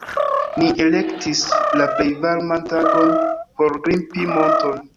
Ni elektis la plej varman tagon por grimpi monton